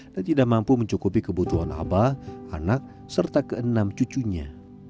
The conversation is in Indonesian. dan tidak mampu mencukupi kebutuhan abah anak serta keenam cucunya